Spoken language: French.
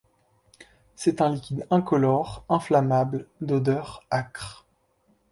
C'est un liquide incolore, inflammable, d'odeur âcre.